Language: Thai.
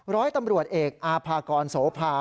ร้อยตำรวจเอกอาภากรโสภา